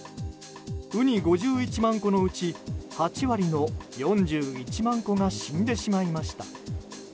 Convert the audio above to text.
ウニ５１万個のうち８割の４１万個が死んでしまいました。